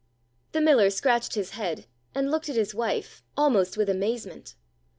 The miller scratched his bead, and looked at his wife, almost with amazement.